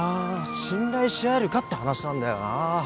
信頼しあえるかって話なんだよな